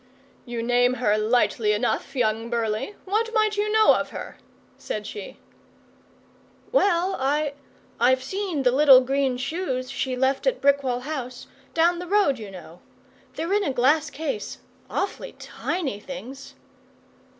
'You name her lightly enough, young Burleigh. What might you know of her?' said she. 'Well, I I've seen the little green shoes she left at Brickwall House down the road, you know. They're in a glass case awfully tiny things.